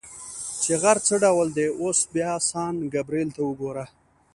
چې غر څه ډول دی، اوس بیا سان ګبرېل ته وګوره.